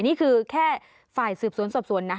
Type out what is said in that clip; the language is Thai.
นี่คือแค่ฝ่ายสืบสวนสอบสวนนะ